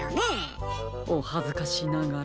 おはずかしながら。